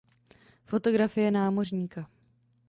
Fotografie námořníka.